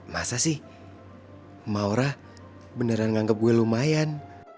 masa sih maura beneran ngangkep gue lumayan